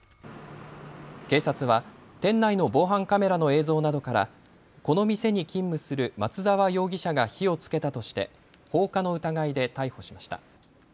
警察は店内の防犯カメラの映像などから、この店に勤務する松澤容疑者が火をつけたとして放火の疑いで逮捕しました。